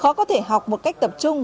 khó có thể học một cách tập trung